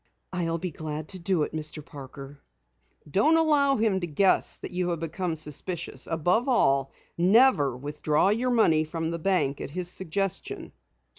"I'll be glad to do it, Mr. Parker." "Don't allow him to guess that you have become suspicious. Above all, never withdraw your money from the bank at his suggestion."